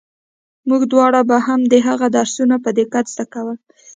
موږ دواړو به هم د هغه درسونه په دقت زده کول.